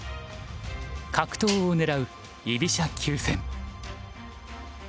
角頭を狙う居飛車急戦。